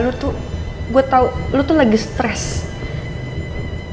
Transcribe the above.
lo tuh gue tau lo tuh lagi stress